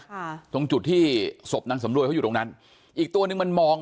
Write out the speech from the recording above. ตรงจุดที่ศพนางสำรวยเขาอยู่ตรงนั้นอีกตัวนึงมันมอง